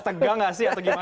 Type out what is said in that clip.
tegang gak sih atau gimana